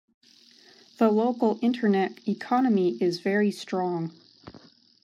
The local internet economy is very strong.